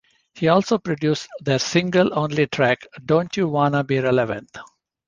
He also produced their single-only track, Don't You Wanna Be Relevant?